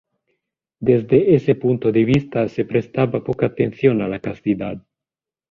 Desde ese punto de vista se prestaba poca atención a la castidad.